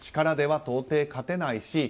力では到底、勝てないし